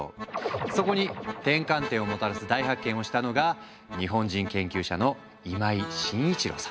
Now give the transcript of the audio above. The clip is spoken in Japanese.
そこに転換点をもたらす大発見をしたのが日本人研究者の今井眞一郎さん。